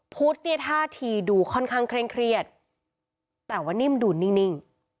พุทธท่าทีดูค่อนข้างเครียดแต่ว่านิ่มดูนิ่ม